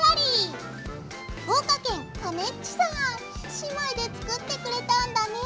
姉妹で作ってくれたんだね。